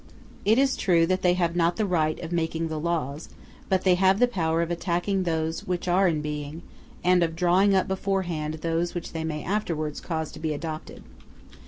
It is true that they have not the right of making the laws, but they have the power of attacking those which are in being, and of drawing up beforehand those which they may afterwards cause to be adopted.